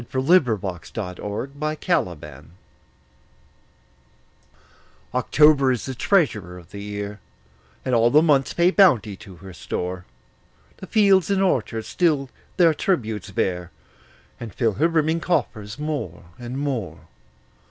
Paul Laurence Dunbar October OCTOBER is the treasurer of the year, And all the months pay bounty to her store: The fields and orchards still their tribute bear, And fill her brimming coffers more and more.